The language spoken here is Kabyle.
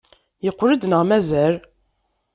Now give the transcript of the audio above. Yeqqel-d neɣ mazal?